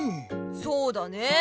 そうだね